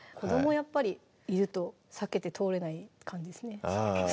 やっぱりいると避けて通れない感じですね